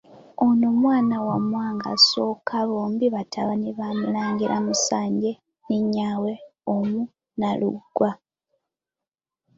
Ono mwana wa Mwanga I bombi batabani ba Mulangira Musanje ne nnyaabwe omu Nnalugwa.